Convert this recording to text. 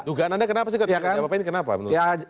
dugaan anda kenapa sih ketika dia jawab apa apa ini